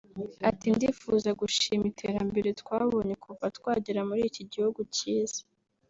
Ati “Ndifuza gushima iterambere twabonye kuva twagera muri iki gihugu cyiza